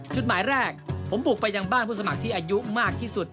จุดหมายแรกผมบุกไปยังบ้านผู้สมัครที่อายุมากที่สุด